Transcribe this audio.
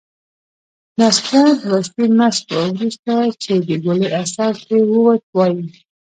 نستوه دوه شپې مست و. وروسته چې د ګولۍ اثر ترې ووت، وايي: